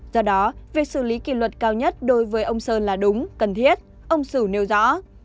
do đó việc xử lý kỷ luật cao nhất đối với ông sơn là đúng cần thiết ông sửu nêu rõ